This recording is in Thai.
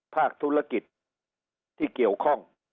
ภาคธุรกิจที่เกี่ยวข้อง